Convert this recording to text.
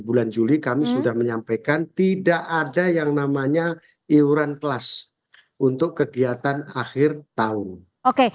bulan juli kami sudah menyampaikan tidak ada yang namanya iuran kelas untuk kegiatan akhir tahun oke